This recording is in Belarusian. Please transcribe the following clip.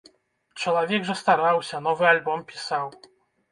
Чалавек жа стараўся, новы альбом пісаў?